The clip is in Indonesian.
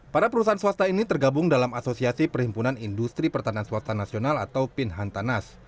para perusahaan swasta ini tergabung dalam asosiasi perhimpunan industri pertahanan swasta nasional atau pinhantanas